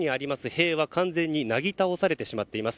塀は完全になぎ倒されてしまっています。